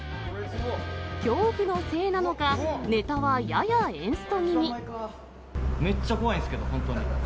恐怖のせいなのか、ネタはやめっちゃ怖いんですけど、本当に。